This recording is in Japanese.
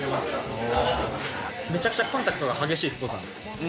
めちゃくちゃコンタクトの激しいスポーツなんですよ。